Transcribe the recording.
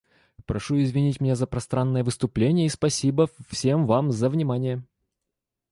Прошу извинить меня за пространное выступление и спасибо всем вам за внимание.